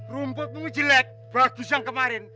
rumputmu jelek bagus yang kemarin